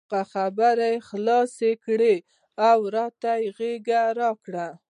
هغه خبرې خلاصې کړې او راته یې غېږه راکړه.